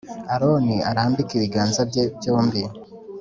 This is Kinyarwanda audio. Aroni azarambike ibiganza bye byombi